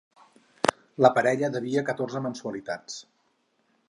La parella devia catorze mensualitats.